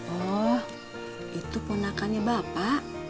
oh itu ponakannya bapak